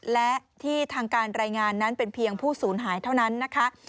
และที่ทางการรายงานนั้นเป็นเพียงผู้สูญหายเท่านั้นนะคะ